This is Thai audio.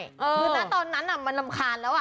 คือนะตอนนั้นมันรำคาญแล้ว